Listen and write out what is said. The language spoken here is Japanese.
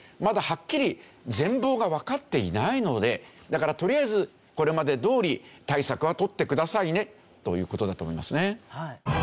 まだはっきり全貌がわかっていないのでだからとりあえずこれまでどおり対策は取ってくださいねという事だと思いますね。